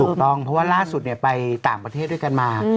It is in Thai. ถูกต้องเพราะว่าล่าสุดไปต่างประเทศด้วยกันมา